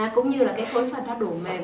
cũng như là cái khối phần nó đủ mềm